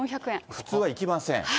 普通は行きません。